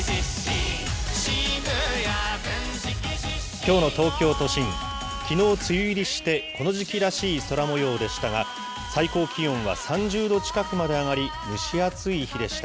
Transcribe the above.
きょうの東京都心、きのう梅雨入りして、この時期らしい空もようでしたが、最高気温は３０度近くまで上がり、蒸し暑い日でした。